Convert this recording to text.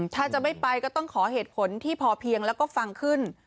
ถ้าจะไม่ไปก็ต้องขอเหตุผลที่พอเพียงแล้วก็ฟังขึ้น